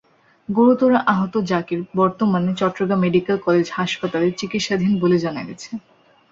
গুরুতর আহত জাকের বর্তমানে চট্টগ্রাম মেডিকেল কলেজ হাসপাতালে চিকিৎসাধীন বলে জানা গেছে।